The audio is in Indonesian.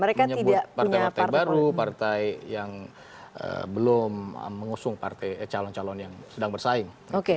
menyebut partai partai baru partai yang belum mengusung calon calon yang sedang bersaing